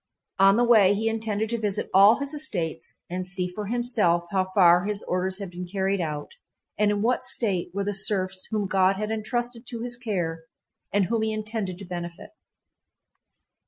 On the way he intended to visit all his estates and see for himself how far his orders had been carried out and in what state were the serfs whom God had entrusted to his care and whom he intended to benefit.